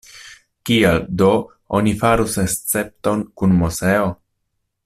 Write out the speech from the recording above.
Kial do oni farus escepton kun Moseo?